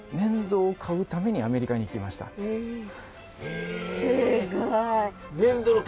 えすごい。